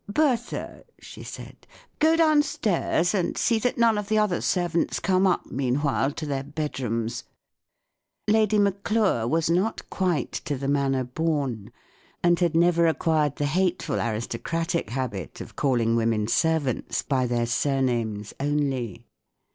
" Bertha," she said, " go downstairs, and see that none of the other servants come up, meanwhile, to their bedrooms." Lady Mac¬ lure was not quite to the manner bom, and had never acquired the hateful aristocratic habit of calling women servants by their sur¬ names only.